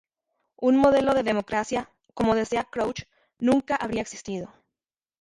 Un modelo de democracia, como desea Crouch, nunca habría existido.